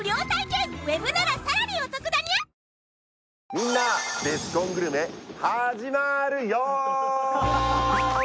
みんなベスコングルメ始まるよ！